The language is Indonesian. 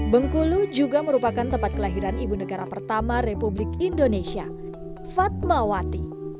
bengkulu juga merupakan tempat kelahiran ibu negara pertama republik indonesia fatmawati